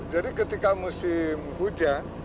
jadi ketika musim hujan